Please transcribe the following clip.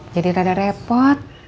jadi rada repot